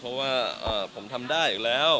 เพราะว่าผมทำได้อีกแล้ว